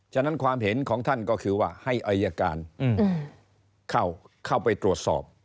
ฉะนั้นความเห็นของท่านก็คือว่าให้อายการเข้าไปตรวจสอบ